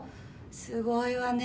すごいわね。